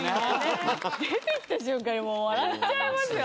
出てきた瞬間に笑っちゃいますよ